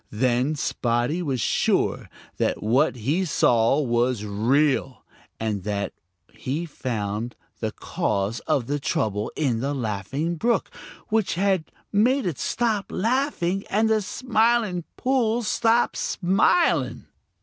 Then Spotty was sure that what he saw was real, and that he had found the cause of the trouble in the Laughing Brook, which had made it stop laughing and the Smiling Pool stop smiling.